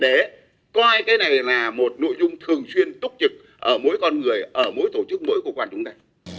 để coi cái này là một nội dung thường xuyên túc trực ở mỗi con người ở mỗi tổ chức mỗi cơ quan chúng ta